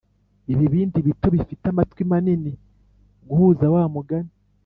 ibibindi bito bifite amatwi manini guhuza wa mugani